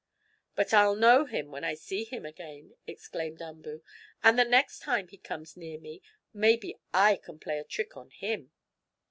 "But I'll know him when I see him again," exclaimed Umboo, "and the next time he comes near me maybe I can play a trick on him."